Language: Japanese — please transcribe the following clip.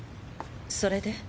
それで？